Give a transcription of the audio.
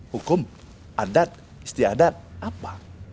hukum adat istiadat apa